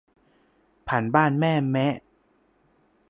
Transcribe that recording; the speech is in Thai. ผ่านบ้านแม่แมะ